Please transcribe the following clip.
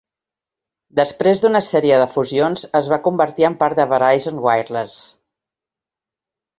Després d'una sèrie de fusions, es va convertir en part de Verizon Wireless.